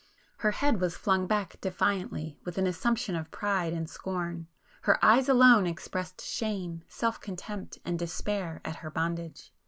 Her head was flung back defiantly with an assumption of pride and scorn,—her eyes alone expressed shame, self contempt, and despair at her bondage.